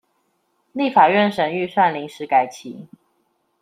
立法院審預算臨時改期